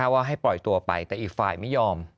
ว่าให้ปล่อยตัวไปแต่อีกฝ่ายไม่ยอม